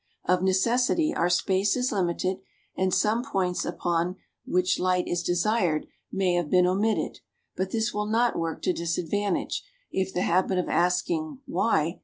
Of necessity our space is limited and some points up on which light is desired may have been omitted, but this will not work to disadvantage if the habit of asking"why?"